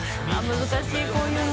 「難しいこういうの」